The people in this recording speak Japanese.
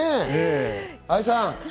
愛さん。